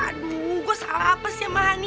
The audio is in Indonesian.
aduh gue salah apaan sih sama hane